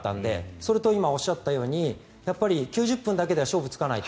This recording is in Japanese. それと今、おっしゃったように９０分だけでは勝負がつかないと。